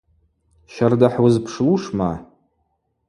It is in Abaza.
Щарда хӏуызпшлушма?